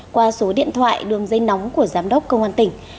qua số điện thoại đường dây nóng của giám đốc công an tỉnh